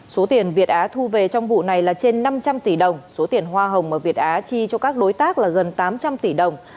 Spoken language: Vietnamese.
số tiền việt á thu về trong vụ này là trên năm trăm linh tỷ đồng số tiền hoa hồng mà việt á chi cho các đối tác là gần tám trăm linh tỷ đồng